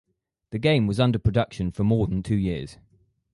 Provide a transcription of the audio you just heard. The game was under production for more than two years.